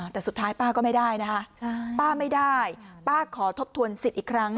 แต่สุดท้ายป้าก็ไม่ได้นะคะป้าไม่ได้ป้าขอทบทวนสิทธิ์อีกครั้ง